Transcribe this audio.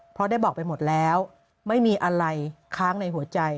เพราะได้บอกไปหมดแล้วไม่มีอะไรค้างในหัวใจ